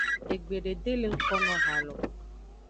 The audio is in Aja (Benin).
Egbede de le ngkono ha lo.